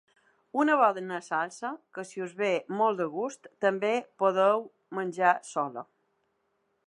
Una bona salsa que si us ve molt de gust també podeu menjar sola.